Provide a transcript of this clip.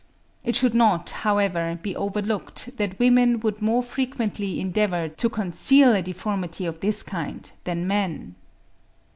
It should not, however, be overlooked that women would more frequently endeavour to conceal a deformity of this kind than men.